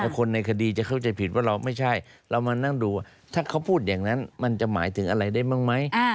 คนในคดีจะเข้าใจผิดว่าเราไม่ใช่เรามานั่งดูว่าถ้าเขาพูดอย่างนั้นมันจะหมายถึงอะไรได้บ้างไหม